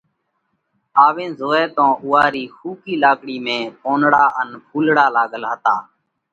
آوينَ زوئه تو اُوئا رِي ۿُوڪِي لاڪڙِي ۾ پونَڙا ان ڦُولڙا لاڳل هتا.